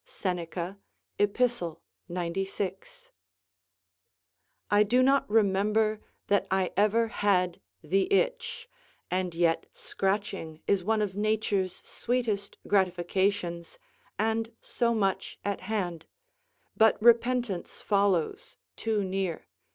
Seneca, Ep., 96.] I do not remember that I ever had the itch, and yet scratching is one of nature's sweetest gratifications, and so much at hand; but repentance follows too near.